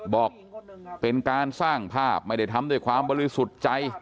บอกเป็นการสร้างภาพไม่ได้ทำด้วยความบริสุทธิ์ใจ